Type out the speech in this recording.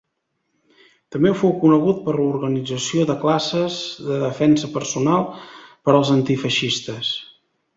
També fou conegut per l'organització de classes de defensa personal per als antifeixistes.